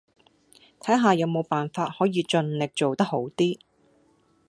睇下有冇辦法可以盡力做得好啲